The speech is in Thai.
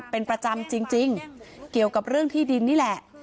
เป็นประจำจริงเกี่ยวกับเรื่องที่ดินนี่แหละ